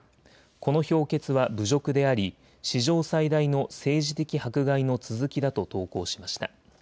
この評決は侮辱であり史上最大の政治的迫害の続きだと投稿しました。